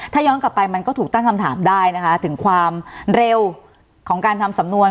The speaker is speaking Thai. ถ้าย้อนกลับไปมันก็ถูกตั้งคำถามได้นะคะถึงความเร็วของการทำสำนวน